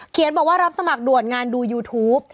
บอกว่ารับสมัครด่วนงานดูยูทูป